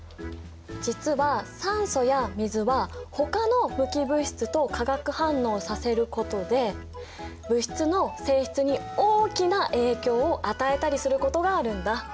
実は酸素や水はほかの無機物質と化学反応させることで物質の性質に大きな影響を与えたりすることがあるんだ。